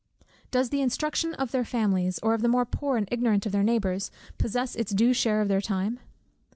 Does the instruction of their families, or of the more poor and ignorant of their neighbours, possess its due share of their time?